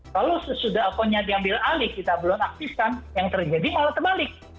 kalau sesudah akunnya diambil alih kita belum aktifkan yang terjadi malah terbalik